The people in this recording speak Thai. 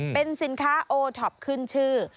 เป็นสินค้าโอท็อปขึ้นชื่อ